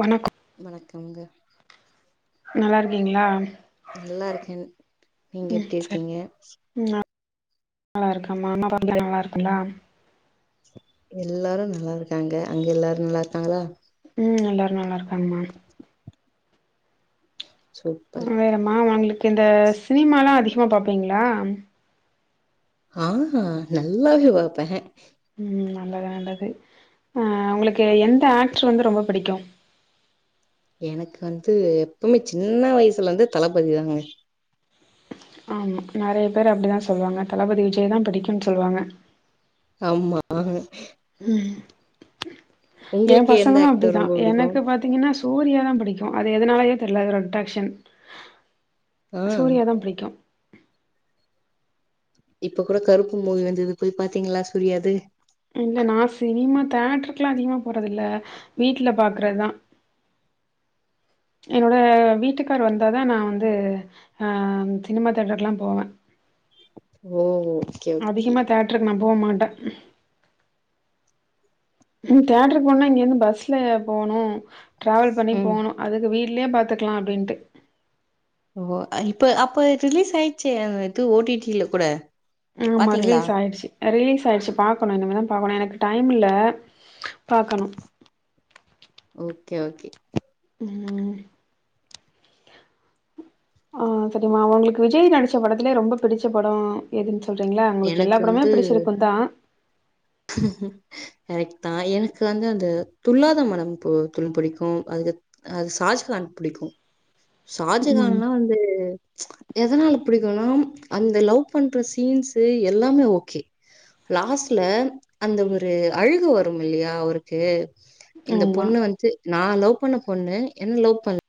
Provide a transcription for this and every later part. வணக்க வணக்கம்ங்க நல்லா இருக்கீங்ளா நல்லா இருக்கேன் நீங்க எப்டி சரி இருக்கீங்க நல்லா இருக்கம்மா அம்மா [unintelligible] நல்லா இருக்குலா எல்லாரு நல்லா இருக்காங்க அங்க எல்லாரு நல்லா இருக்காங்ளா ம் எல்லாரு நல்லா இருக்காங்மா சூப்பர் வேறமா வெங்களுக்கு இந்த சினிமா எல்லா அதிகமா பாப்பீங்ளா ஆ நல்லாவே பாப்பே ம் நல்லதாண்டது ஆ உங்களுக்கு எந்த ஆக்ட்ரு வந்து ரொம்ப புடிக்கு எனக்கு வந்து இப்பல்ல சின்ன வயசுல இருந்து தளபதி தாங்க ஆமா நெறைய பேரு அப்படிதான் சொல்லுவாங்க தளபதி விஜய் தான் புடிக்குன்னு சொல்வாங்க ஆம் மா ம் எ உங்களுக்கு எந்த பசங்களு ஆக்டர் அப்படிதான் ரொம்ப புடிக்கு எனக்கு பாத்தீங்கெனா சூர்யாதான் புடிக்கு அது எதனாலயே தெரியல ஒரு அட்ராக்சன் ஆ சூர்யாதா புடிக்கும் இப்ப கூட கருப்பு மூவி வந்தது போய் பாத்தீங்களா சூரியாது இல்ல நான் சினிமா தேட்ருக்கெல்லா அதிகமா போறது இல்ல வீட்ல பாக்குறதுதா என்னோட வீட்டுக்கார் வந்தாதான் நான் வந்து அ சினிமா தேட்டர்கெலா போவே ஓ ஓகே ஓகே அதிகமா தேட்டருகு நா போ மாட்டெ ம் தேட்ருக்கு போனுனா இங்க இருந்து பஸ்ல போணு டிராவல் பண்ணி ம் போணு அதுக்கு வீட் ல்லெயே பாத்துக்கலா அப்டீன்டு ஓ இப்ப அப்ப ரிலீஸ் ஆயிச்சே இது ஓ டி டி ல கூட ஆமா பாத்தீங்களா ரிலீஸ் ஆயிச்சு ரிலீஸ் ஆயிச்சு பாக்கணு இனிமேதா பாக்கணு எனக்கு டைம் இல்ல பாக்கணு ஓக்கே ஓக்கே ம் ஆ சரிம்மா உங்களுக்கு விஜய் நடிச்ச படத்திலேயே ரொம்ப புடிச்ச படம் எது சொல்றீங்களா உங்களுக்கு எல்லா எனக்கு படமே வந்து புடிச்சிருக்குந்தா கரெக்ட் தா எனக்கு வந்து அந்த துள்ளாத மனமும் துள்ளும் புடிக்கு அது அது ஷாஜகான் புடிக்கு ம். ஷாஜகான்ல்லா வந்து எதனால புடிக்கும்னா அந்த லவ் பண்ற சீன்ஸ் எல்லாமே ஓக்கே லாஸ்ட்ல அந்த ஒரு அழுக வருமில்லையா அவருக்கு இந்த ஆமா, பொண்ணு வந்து நா லவ் பண்ண பொண்ணு என்ன லவ் பண்ல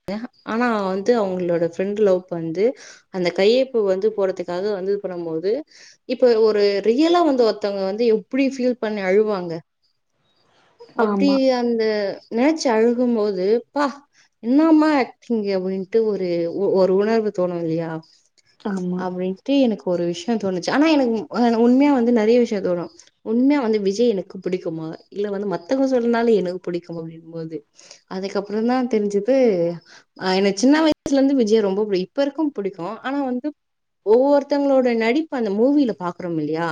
ஆனா வந்து அவங்களோட ஃப்ரெண்ட் லவ் பண்து அந்த கை யொப்பம் வந்து போடறதுக்காக வந்து இது பண்ணு போது இப்ப ஒரு ரியலா வந்து ஒருத்தவங்க வந்து எப்டி ஃபீல் பண்ணி அழுவாங்க அப்டி ஆமா, அந்த நெனச்சு அழுகும்போது ப்பா என்னமா ஆக்டிங்கு அப்டின்ட்டு ஒரு ஒரு உணர்வு தோணு இல்லயா ஆமா. அப்டின்ட்டு எனக்கு ஒரு விஷய தோணு ச்சு ஆனா எனக்கு உண்மையா வந்து நெறைய விஷயோ தோணு உண்மையா வந்து விஜய் எனக்கு புடிக்குமா இல்ல வந்து மத் த்தவங்க சொல்றதுனால எனக்கு புடிக்கும் அப்படிங்குபோது அதுக்கப்புறதா தெரிஞ்சுது எனக் சி ன்ன வயசுல இருந்து விஜய ரொம்ப புடிக்கு இப்பருக்கு புடிக்கு ஆனா வந்து ஒவ்வொருத்தவங்களோட நடிப் பு அந்த மூவியில பாக்குறோமில்லையா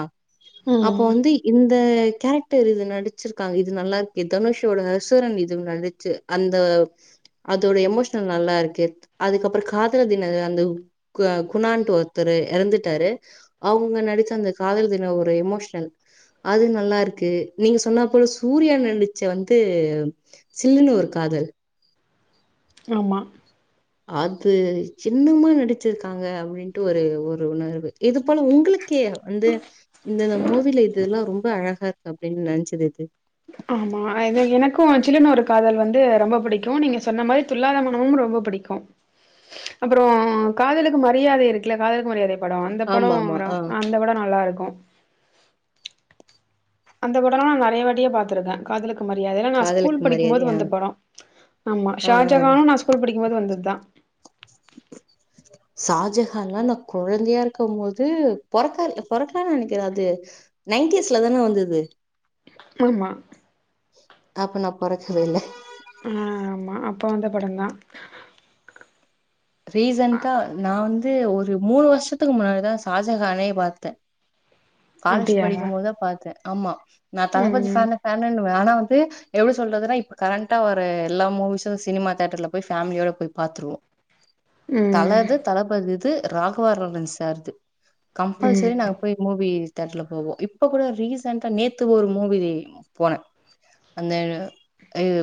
அப்போ ம். வந்து இந் த கேரக்டர் இது நடிச்சிருக்காங்க இது நல்லா இருக்கு தனுஷோட அசுரன் இது நடிச்சு அந்த அதோட எமோஷனல் நல்லா இருக்கே அதுக்கப்புறோ காதலர் தின அந்த குணால் ட்டு ஒருத்தரு எறந்துட்டாரு அவங்க நடிச்ச அந்த காதலர் தின ஒரு எமோஷனல் அது நல்லா இருக்கு நீங்க சொன்ன போ சூ ரியா நடிச்ச வந்து சில்லுன்னு ஒரு காதல் ஆமா அது என்னமா நடிச்சிருக்காங்க அப்டின்ட்டு ஒரு ஒரு உணர்வு இது போல உங்களுக் கு வந்து இந்தந்த மூவியில இதெல்லா ரொம்ப அழகா இருக்கு அப்டின்னு நெனச்சது எது ஆமா அது எனக்கு ஜில்லுனு ஒரு காதல் வந்து ரொம்ப புடிக்கு நீங்க சொன்ன மாரி துள்ளாத மனமும் ரொம்ப புடிக்கு அப்றோ காதலுக்கு மரியாதை இருக்குல காதலுக்கு மரியாதை படோ அந்த படோ ஆமாமா. வரு ஆ. அந்த படோ நல்லா இருக்கு அந்த படல்லா நெறையாவாட்டியே பாத்திருக்கே காதலுக்கு மரியாதைல்ல நா ஸ்கூல் காதலுக்கு படிக்கு போது மரியாதையா வந்த படோ ஆமா ஆ ஆ ஷாஜகானு நா ஸ்கூல் படிக்கும்போது வந்தது தா ஷாஜஹான்லா நா கொழந்தையா இருக்கு போது பொறக்க பொறக்கலானு நெனைக்கிறே அது நை டீஸ்ல தானே வந்தது ஆமா அப்ப நா பொறக்கவே இல்ல ஆமா அப்ப வந்த படம்தா ரீசண்டா நா வந்து ஒரு மூணு வருஷத்துக்கு முன்னாடிதா ஷாஜகானே பாத்தே காலேஜ் அப்டியா? படிக்கு போதா பாத்தே ஆமா நா தளபதி ம் ஃபேன் ஃபேன்னுவ ஆனா ந்து எப்டி சொல்றதுனா இப்ப கரண்டா வர எல்லா மூவிஸும் சினிமா தேட்டர்ல போய் ஃபேமிலியோட போய் பாத்துருவோ ம் தலது தளபதிது ராகவா லாரன்ஸ் சார்து கம்பல்சரி ம் நாங்க போய் மூவி தேட்டர்ல போவோ இப்ப கூட ரீசெண்டா நேத்து ஒரு மூவி போனே அந்த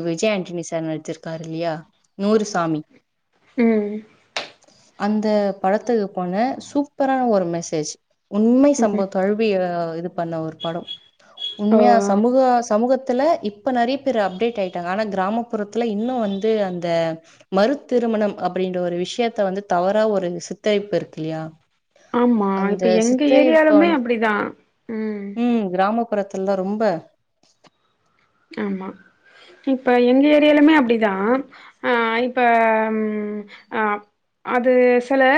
விஜய் ஆண்டனி சார் நடிச்சிருக்காரு இல்லியா நூறு சாமி ம் அந்த படத்துக்கு போன சூப்பரான ஒரு மெசேஜ் உண்மை ம் சம்ப தழுவிய இது பண்ண ஒரு படம் ஓ உண்மையா சமூகா சமூக த்துல இப்ப நெறைய பேரு அப்டேட் ஆயிட்டாங்க ஆனா கிராமப்புறத்துல இன்னு வந்து அந்த மறு திருமணம் அப்டின்ற ஒரு விஷ்யத்த வந்து தவறா ஒரு சித்தரிப்பு இருக்கு இல்லியா ஆமா அந்த இப்ப எங்க சித்தரிப்ப ஏரியாலுமே வந்து அப்டிதான். ம் கிராம புறத்துல்லா ரொம்ப ஆமா இப்ப எங்க ஏரியாலுமே அப்டிதா ஆ இப்ப ம் ம் ஆ அது செல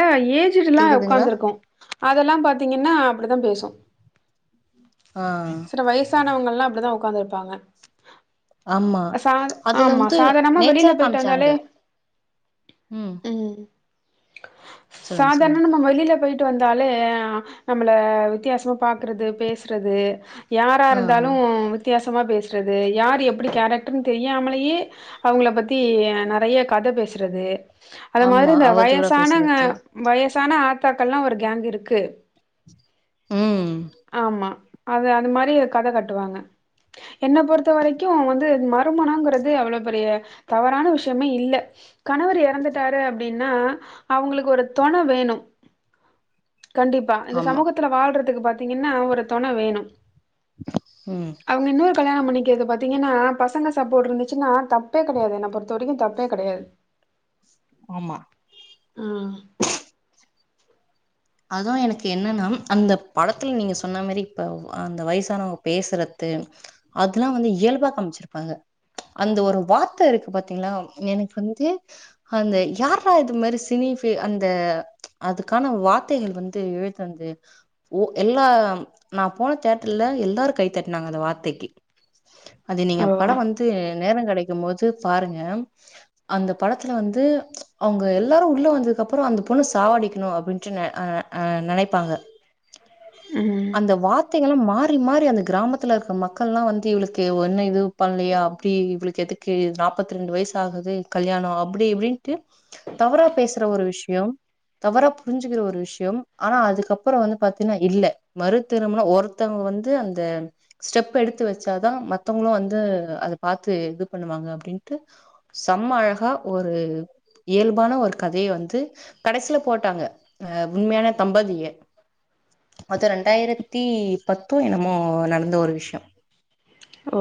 ஏஜுட்டெல்லா கேக்குதுங்களா உக்காந்துருக்கு அதெல்லா பாத்தீங்கன்னா அப்டிதா பேசும் ஆ சில வயசானவங்கல்லா அப்டிதா உக்காந்துருப்பாங்க ஆமா அதுல வந்து சாதாரணமா நேச்சரா வெளியில போயிட்டு காமிச்சாங்க வந்தாலே ம் சொல்லுங்க சாதாரண சொல்லுங்க நம்ம வெளில போயிட் டு வந்தாலே நம்மள வித்தியாசமா பாக்குறது பேசுறது யாரா ஆ இருந்தாலு ஆ. வித்தியாசமா பேசுறது யார் எப்டி கேரக்டர்னு தெரியாமலேயே அவுங்கள பத்தி நறைய கத பேசுறது அது மாதரி ஆமா இந்த அவதூறா வயசானங்க பேசுறது வய சான ஆத்தாக்கள்ல்லா ஒரு கேங் இருக்கு ம் ஆமா அது அத மாரி இருக் கத கட்டுவாங்க என்ன பொறுத்த வரைக்கு வந்து மறுமனங்கறது அவ்ளோ பெரிய தவறான விஷயமே இல்ல கணவர் இறந்துட்டாரு அப்டின்னா அவுங்களுக்கு ஒரு தோண வேணு கண்டிப்பா இந்த ஆமா சமூகத்துல வாழ்றதுக்கு பாத்தீங்கன்னா ஒரு தோண வேணு ம் அவுங்க இன்னொரு கல்யாணோ பண்ணி கிறக்கு பாத்தீங்கன்னா பசங்க சாப்போட்டு இருந்துச்சுன்னா தப்பே கெடையாது என்ன பொறுத்த வரைக்கி தப்பே கெடையாது ஆமா ம் அது எனக்கு என்னன்னா அந்த படத்துல நீங்க சொன்ன மேரி இப்ப அந்த வயசானவங்க பேசுற றது அதெல்லா வந்து இயல்பா காமிச்சிருப்பாங்க அந்த ஒரு வார்த்த இருக்கு பாத்தீங்களா எனக்கு வந்து அந்த யார்ரா இது மாரி சினி ஃப் அந்த அதுக்கான வா ர்த்தைகள் வந்து எழுதுனது ஒ எல்லா நா போன தியேட்டர்ல எல்லாரு கைத்தட்டினாங்க அந்த வார்த்தைக்கி [inaudible] அது நீங்க படோ வந்து நேரோ கெடைக் கி போது பாருங்க அந்த படத்துல வந்து அவுங்க எல்லாரு உள்ள வந்ததுக்கு அப்றோ அந்த பொண்ணு சாவடிக்கணு அப்டின்டு நெ அ அ நெனைப்பாங்க ம். அந்த வா ர்த்தைகள மாறி மாறி அந்த கிராமத்துல இருக்க மக்கள் எல்லா வந்து இவளுக்கு என்ன இது பண்ணலையா அப்டி இவளுக்கு எ க்கு நாப்பத்தி ரெண்டு வயசு ஆகுது கல்யாணோ அப்டி இப்டின்ட்டு தவறா பேசுற ஒரு விஷ்யோ தவற புரிஞ்சுக்கிற ஒரு விஷ் யோ ஆனா அதுக்கப்றோ வந்து பாத்தீங்கன்னா இல்ல மறு திருமணோ ஒருத்தவங்க வந்து அந்த ஸ்டெப் எடுத்து வச்சாதா மத்தவங்களு வந்து அத பாத்து இது பண்ணுவாங்க அப்டின்ட்டு ச ம்ம அழகா ஒரு இயல்பான ஒரு கதைய வந்து கடைசியில போட்டாங்க ஆ உண்மையான தம்பதிய அது ரெண்டாயிரத்தி பத்து என்னமோ நடந்த ஒரு விஷ்யோ ஓ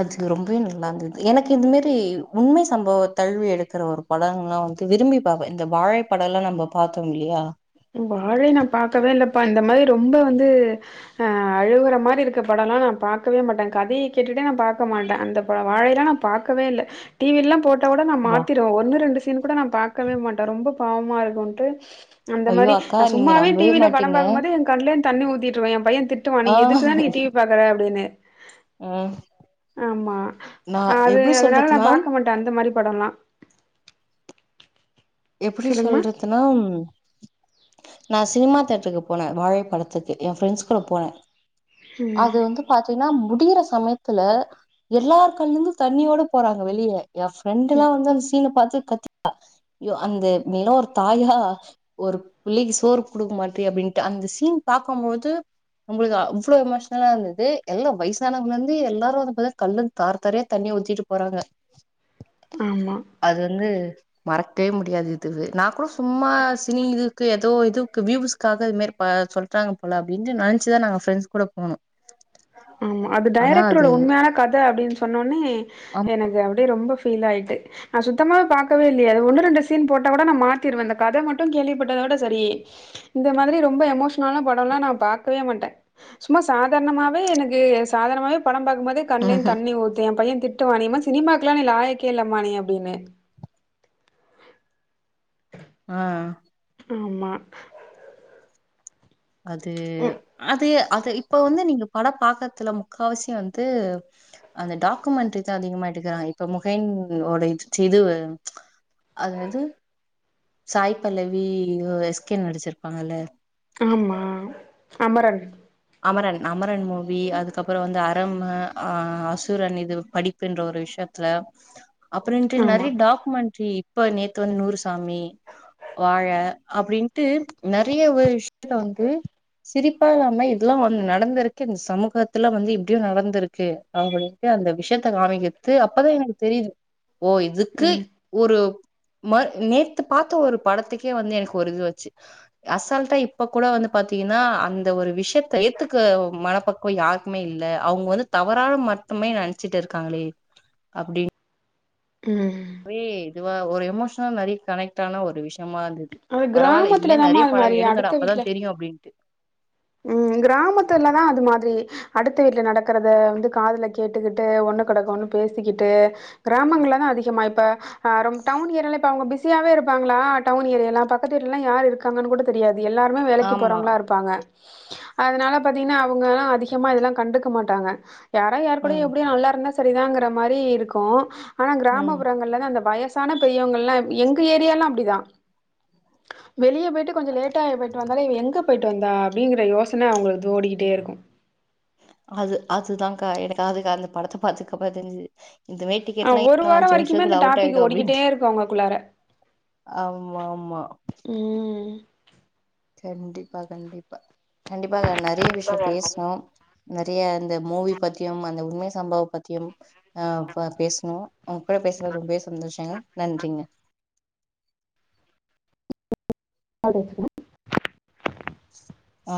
அது ரொம்பவே நல்லா இருந்தது எனக்கு இதுமேரி உண்மை சம்பவ தழுவி எடுக்கிற ஒரு படங்கெல்லா நா வந்துட்டு விரும்பி பாப்பே இந்த வாழை படோ எல்லா நம்ம பாத்தோ இல்லியா வாழை நா பாகக்கவே இல்லப்பா இந்த மாரி ரொம்ப வந்து அ அழுவுற மாரி இருக்க படோள்ள நா பாக்கவே மாட்டே கதைய கேட்டுட்டே நா பாக்க மாட்டே அந்த வாழையெல்லா நா பாக்கவே இல்ல டிவில்லா போட்டா கூட நா வா மாத்திறுவ ஒன்னு ரெண்டு சீன் கூட நா பாக்கவே மாட்ட ரொம்ப பாவமாருக்குன்ட்டு அந்த ஐயோ மாரி அக்கா நா நீங்க சும்மாவே நம்பவே டிவில படம் மாட்டீங்க பாக்கும்போது எ கண்லந் தண்ணி ஊத்திட்ருக்கு எ பைய திட்டுவா நீ எதுக்கு தா நீ டி வி பாக்கற அப்பிடின்னு ம் ஆமா அது அதனால நா சொல்றதுன்னா பாக்க மாட்ட அந்த மாரி படொல்லா எப்டி சொல்றதுனா நா சினிமா தேட்ருக்கு போன வாழைப்படத்துக்கு எ ஃப்ரெண்ட்ஸ் கூட போன அது ம். வந்து பாத்தீங்கன்னா மு டியிர சமயத்துல எல்லார் கண்களருந்து தண்ணியோட போறாங்க வெளிய எ ஃப்ரெண்டு்ல்லா வந்து அந்த சீன பாத்து கத்திட்டா அய்யோ அந்த நீல்லா ஒரு தாயா ஒரு பிள்ளைக்கு சோறு குடுக்க மாட்டியே அப்டீன்டு அந்த சீன் பா பாக்கம்மோது உங்களுக்கு அவ்ளோ எமோஷனலா இருந்தது எல்லா வயிசானவங்கந்து எல்லாரு வந்து பாத்தா கண்லந் தாரத்தாரையா தண்ணி ஊத்திட்டு போறாங்க ஆமா. அது வந்து மறக் வே முடியாது இதுவு நா கூட சும்மா சினி இதுக்கு ஏதோ இதுவ்க்கு வியூவுஸ்காக இது மாரி ப சொல்றா ங்க போல அப்டின்டு நென்ச்சிதா நாங்க பிரெண்ட்ஸ் கூட போனோ ஆமா அது ஆனா டைரக்டரோட அது உண்மையான கத அப்டின் சொன்னோனே எனக்கு அ ப்டியே ரொம்ப பீல் ஆயிட்து நா சுத்தமா பாக்கவே இல்லியா அது ஒன்னு ரெண்டு சீன் போட்ட கூட நா மாத்திருவ இந்த கத மட்டு கே கேள்விப்பட்டதோட செரி இந்த மாதிரி ரொம்ப எமோஷ்னலான படொல்லா நா பாக்கவே மாட்ட சும்மா சாதாரணமாவே எனக் கு சாதணமாகவே படம் பாக்கபோது ஆம் கண்லேந் தண்ணி ஊத்து எ பைய திட் டுவா நீ எம்மா சினிமாக்கெல்லா நீ லாயக்கே இல்லமா நீ அப்டின்னு அ ஆமா அது ம் அது அது இப்ப வந்து நீங்க படம் பாக்கற்துல முக்காவசி வந்து அந்த டாக்குமெண்ட்ரி தா அதிகமா எடுக்கறாங்க இப்ப முகேன்னோட இத் இதுவு அத்தேது சாய் பல்லவி எஸ்கே நடிச்சிருப்பாங்கல்ல ஆமா அமரன் அமரன் அமரன் மூவி அதுக்கப்பறோ வந்து அ ரம்மு அ அசுரன் இது படிப்பின்ற ஒரு விஷயத்துல அப்றின்டு ஆமா நெறைய டாக்குமெண்ட்ரி இப்ப நேத்து வந்து நூறுசாமி வாழ அப்டின்ட்டு நெறைய ஒரு விஷயத்துல வந்து சிரிப்பாவோமையும் இதெல்லா வந்து நடந்துருக்கே இந்த சமூகத்துல வந்து இப்டியு நடந்துருக்கே அவுங்களுக்கு அந்த விஷேத்த காமிக்கற் து அப்பதா எனக்கு தெரியிது ஒ இதுக்கு ம் ஒரு மர் நேத்து பாத்த ஒரு படத்துக்கே வந்து எனக்கு ஒரு இதுவச்சி அசால்ட்டா இப்ப கூட வந்து பாத்தீங்கன்னா அந்த ஒரு விஷயத் த ஏத்துக்க மனப்பக்குவோ யாருக்குமே இல்ல அவுங்க வந்து தவறான மட்டுமே நெனச்சிட்டு இருக்காங்ளே அப்டின் ம் அப்டி இதுவா ஒரு எமோஷ்னா நெறைய கனெக்ட்டான ஒரு விஷ் யம்மாருந்தது அது பரவால இத் கிராமத்துல மேர் தாமா நெறைய அது படோ மாரி எடுங்கட அடுத்த அப்பதா வீட்ல தெரியு அப்படின்ட்டு ம் கிராமத்துலதா அது மாதிரி அடுத்த வீட்ல நடக்குறத வந்து காதுல கேட்டுக்குட்டு ஒன்னு கடக்க ஒன்னு பேசிக்கிட்டு கிராமங்கள்ள தா அதிகமா இப்ப அ ரொம் டௌன் ஏரியளா அவுங்க பிஸியாவே இருப்பாங்களா டௌன் ஏரியளா பக்கத்து வீட்லலா யார் இருக்கா ங்கன் கூட தெரியாது எல்லாருமே வேலைக்கு ஆமா போறவங்களாருப்பாங்க அதனால பாத்தீங்கன்னா அவுங்க அதிகமா இதெல்லா கண்டுக்க மாட்டாங்க யாரா யார் கூட ம் எப்டியோ நல்லாருந்தா சரிதாங்குற மாரி இருக்கு ஆனா ம் கிராமப்புறங்கள்ல தா அந்த வயஸ் சான பெரியவங்கல்லா எங்க ஏரியால்லா அப்டிதா வெளிய போயிட்டு கொஞ்சோ லேட்ட போய்ட்டு வந் இது மாரி இவ எங்க போயிட்டு வந்தா அப்டிங்கிற யோசன அவுங்களுக்கு தோடிக்கிட்டேருக்கு அது அதுதாங்கா எனக்கு அதுக்கு அந்த படத்த பாத்ததுகப்புறோ தா தெரிஞ்சிது இந்தமாரி ஆ டிக்கெட்லா ஒரு இன்னோ வாரோ அஞ்சு வரைக்குமே அந்த வருஷத்துல அவுட் டாபிக் ஆயிடு ஓடிக்கிட்டே அப்டின்ட்டு இருக்கு அவங்களுக்குள்ளார ஆமா ஆமா ம் கண்டிப்பா கண்டிப்பா கண்டிப்பாக நெறைய விஷயம் பேசுனோம் நெறையா அந்த மூவி பத்தியும் அந்த உண்மை சம்பவ பத்தியும் அ பேசுனோ ஒங்க கூட பேசுனதுல ரொம்பவே சந்தோஷங்க நன்றிங்க [inaudible] ஆ